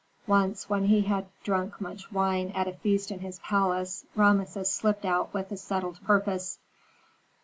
Once, when he had drunk much wine at a feast in his palace, Rameses slipped out with a settled purpose.